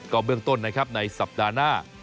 เบื้องต้นนะครับในสัปดาห์หน้า